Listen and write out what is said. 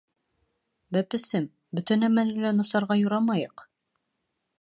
— Бәпесем, бөтә нәмәне лә насарға юрамайыҡ.